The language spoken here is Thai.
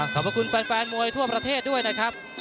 ขอบคุณแฟนมวยทั่วประเทศด้วยนะครับ